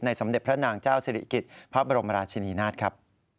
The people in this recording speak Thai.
สมเด็จพระนางเจ้าสิริกิจพระบรมราชินีนาฏครับ